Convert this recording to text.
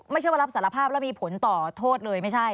ไม่ใช่ว่ารับสารภาพแล้วมีผลต่อโทษเลยไม่ใช่